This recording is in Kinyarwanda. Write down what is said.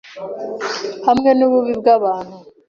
hamwe n’ububi bw abantu